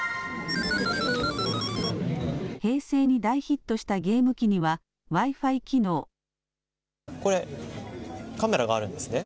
平成に大ヒットしたゲーム機には、これ、カメラがあるんですね。